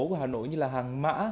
của hà nội như là hàng mã